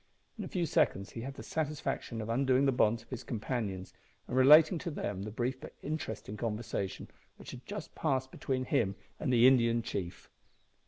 In a few seconds he had the satisfaction of undoing the bonds of his companions, and relating to them the brief but interesting conversation which had just passed between him and the Indian chief.